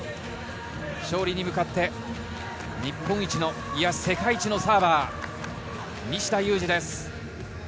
勝利に向かって日本一の世界一のサーバー、西田有志です。